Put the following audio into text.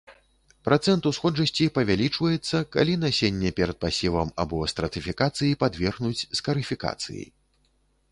Працэнт усходжасці павялічваецца, калі насенне перад пасевам або стратыфікацыі падвергнуць скарыфікацыі.